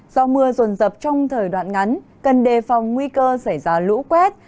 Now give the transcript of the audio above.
do mưa rồn rập trong thời đoạn ngắn cần đề phòng nguy cơ xảy ra lũ quét